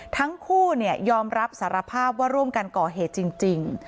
ทั้งคู่ยอมรับสารภาพว่าร่วมกันก่อเหตุจริง